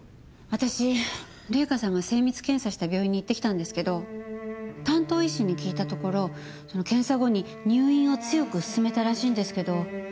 私玲香さんが精密検査した病院に行ってきたんですけど担当医師に聞いたところ検査後に入院を強く勧めたらしいんですけど。